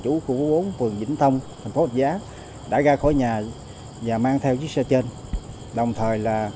chủ khu bốn phường vĩnh thông thành phố rạch giá đã ra khỏi nhà và mang theo chiếc xe trên đồng thời là